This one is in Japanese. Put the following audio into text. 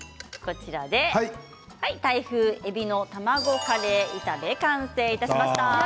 タイ風えびの卵カレー炒め完成いたしました。